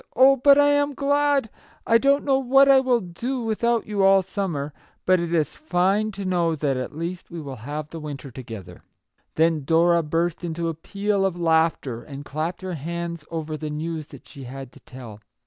" Oh, but I am glad ! I don't know what I will do without you all summer, but it is fine to know that at least we will have the winter together." Then Dora burst into a peal of laughter, and clapped her hands over the news that she had to tell.